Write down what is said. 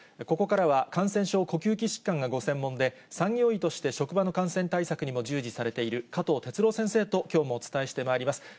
ここからは感染症、呼吸器疾患がご専門で、産業医として職場の感染対策にも従事されている加藤哲郎先生と、きょうもお伝えしてまいります。